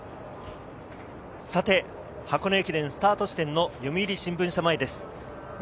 さて箱根駅伝スタート地点の読売新聞社前です。